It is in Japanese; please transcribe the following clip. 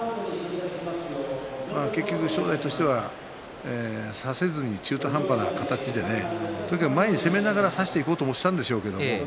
結局、正代としては差せずに中途半端な形でとにかく前に攻めながら差していこうとしたんでしょうけれど